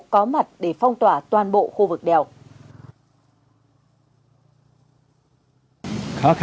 có mặt để phong tỏa toàn bộ khu vực đèo